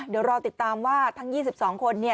เดี๋ยวรอติดตามว่าทั้ง๒๒คน